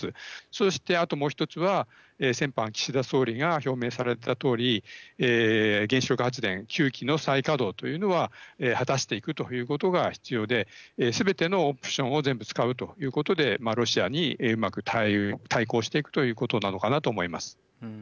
そうして、あともう１つは先般岸田総理が表明されたとおり原子力発電９基の再稼働というのは果たしていくということが必要ですべてのオプションを全部使うということでロシアにうまく対抗していくということなのかなと思います。